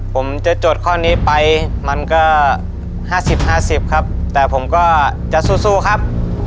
ผมจะจดข้อนี้ไปมันก็ห้าสิบห้าสิบครับแต่ผมก็จะสู้สู้ครับ